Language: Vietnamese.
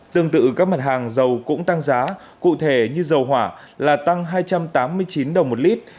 tương tự các mặt hàng dầu cũng tăng giá cụ thể như dầu hỏa là tăng hai trăm tám mươi chín đồng một lít